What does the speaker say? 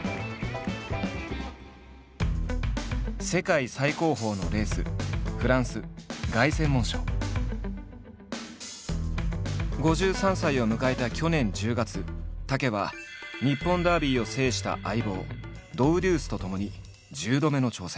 世界最高峰のレース５３歳を迎えた去年１０月武は日本ダービーを制した相棒ドウデュースとともに１０度目の挑戦。